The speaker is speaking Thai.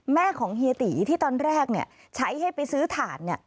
แม่ของเฮียตีที่ตอนแรกใช้ให้ไปซื้อถ่าน